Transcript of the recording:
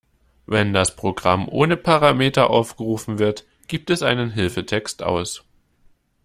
Wenn das Programm ohne Parameter aufgerufen wird, gibt es einen Hilfetext aus.